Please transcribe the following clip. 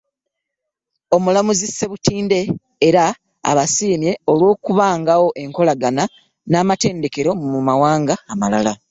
Omulamuzi Ssebutinde era abasiimye olw'okubangawo enkolagana n'amatendekero mu mawanga amalala